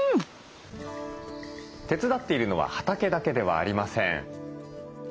手伝っているのは畑だけではありません。